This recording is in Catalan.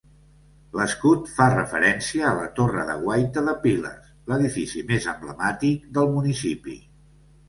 L'escut fa referència a la torre de guaita de Piles, l'edifici més emblemàtic del municipi.